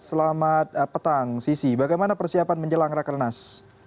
selamat petang sisi bagaimana persiapan menjelang rakernas